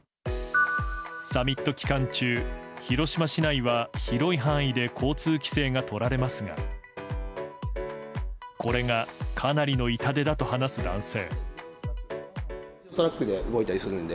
サミット期間中、広島市内は広い範囲で交通規制がとられますがこれがかなりの痛手だと話す男性。